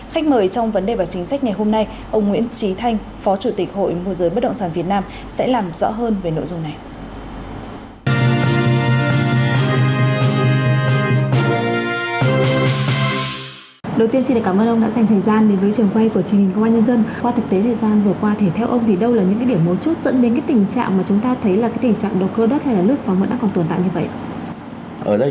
khách mời trong vấn đề về chính sách ngày hôm nay ông nguyễn trí thanh phó chủ tịch hội mùa giới bất động sản việt nam sẽ làm rõ hơn về nội dung này